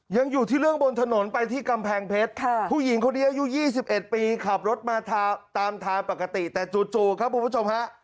ยังอยู่ที่เรื่องบนถนนไปที่กำแพงเพชรค่ะผู้หญิงคนเดียวอยู่ยี่สิบเอ็ดปีขับรถมาทาตามทาปกติแต่จู่จู่ครับคุณผู้ชมฮะ